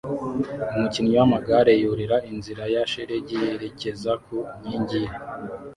Umukinnyi w'amagare yurira inzira ya shelegi yerekeza ku nkingi ye